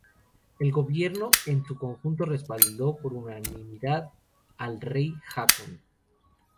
El gobierno en su conjunto respaldó por unanimidad al rey Haakon.